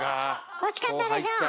惜しかったでしょう！